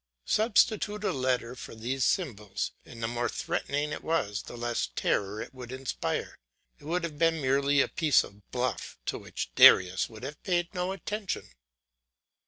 Substitute a letter for these symbols and the more threatening it was the less terror it would inspire; it would have been merely a piece of bluff, to which Darius would have paid no attention.